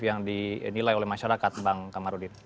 yang dinilai oleh masyarakat bang kamarudin